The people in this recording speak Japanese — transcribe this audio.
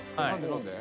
何で？